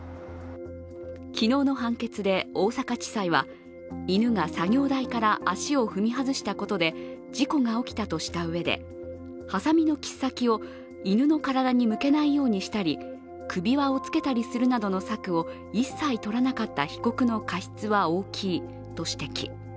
昨日の判決で大阪地裁は犬が作業台から足を踏み外したことで事故が起きたとしたうえで、はさみの切っ先を犬の体に向けないようにしたり、首輪をつけたりするなどの策を一切取らなかった被告の過失は大きいと指摘。